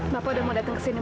bapak udah mau datang ke sini